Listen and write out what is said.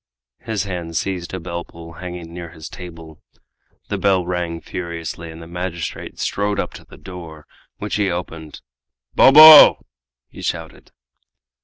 His hand seized a bell pull hanging near his table. The bell rang furiously, and the magistrate strode up to the door, which he opened. "Bobo!" he shouted.